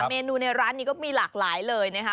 เมนูในร้านนี้ก็มีหลากหลายเลยนะคะ